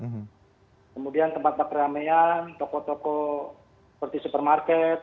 hmm kemudian tempat peramian toko toko seperti supermarket